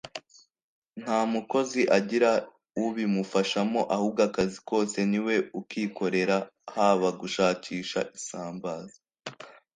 nta mukozi agira ubimufashamo ahubwo akazi kose ni we ukikorera haba gushakisha isambaza